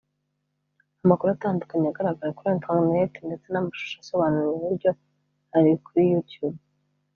Amakuru atandukanye agaragara kuri interineti ndetse n’amashusho asobanura ubu buryo ari kuri YouTube